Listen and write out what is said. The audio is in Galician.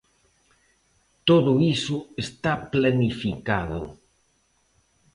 Todo iso está planificado.